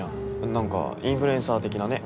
なんかインフルエンサー的なね。